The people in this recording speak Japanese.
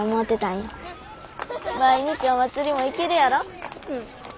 毎日お祭りも行けるやろ？